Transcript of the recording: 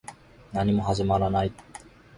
何も始まらない